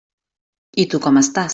I tu, com estàs?